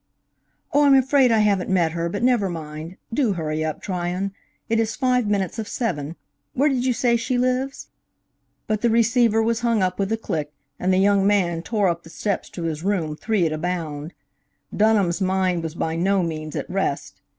"Oh, I'm afraid I haven't met her, but never mind. Do hurry up, Tryon. It is five minutes of seven. Where did you say she lives?" But the receiver was hung up with a click, and the young man tore up the steps to his room three at a bound. Dunham's mind was by no means at rest.